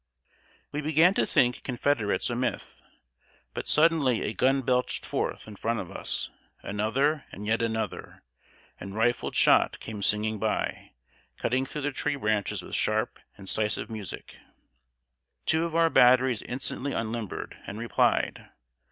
] We began to think Confederates a myth. But suddenly a gun belched forth in front of us; another, and yet another, and rifled shot came singing by, cutting through the tree branches with sharp, incisive music. Two of our batteries instantly unlimbered, and replied.